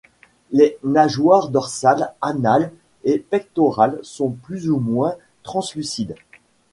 Les nageoires dorsale, anale et pectorales sont plus ou moins translucides.